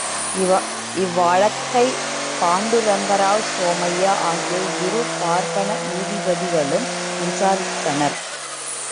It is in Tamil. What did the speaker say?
இவ்வழக்கை பாண்டுரங்கராவ், சோமையா ஆகிய இரு பார்ப்பன நீதிபதிகளும் விசாரித்தனர்.